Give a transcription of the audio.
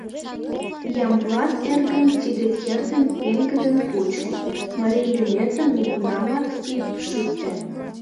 — Ямблат эргым, тиде кердым пеҥгыдын кучо: марий лӱметым нигунамат ит шӱктӧ!